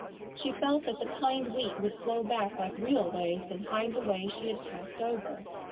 She felt that the kind wheat would flow back like real waves and hide the way she had passed over.